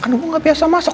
kan gue gak biasa masak